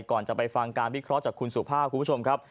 ก่อนจะไปฟังการวิเคราะห์จากคุณสุภาพคุณผู้ชมครับ